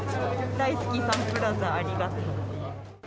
大好きサンプラザ、ありがとう。